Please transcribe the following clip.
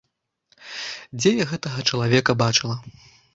Дзе я гэтага чалавека бачыла?